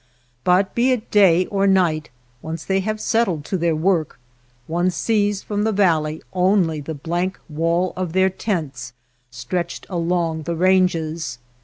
But be it day or night, once they have settled to their work, one sees from the valley only the blank wall of their tents stretched along the ranges.